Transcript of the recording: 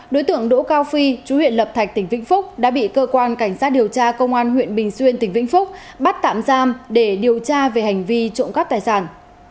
đối tượng đỗ cao phi chú huyện lập thạch tỉnh vĩnh phúc đã bị cơ quan cảnh sát điều tra công an huyện bình xuyên tỉnh vĩnh phúc bắt tạm giam để điều tra về hành vi trộm cắp tài sản